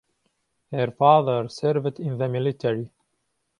Her father served in the military.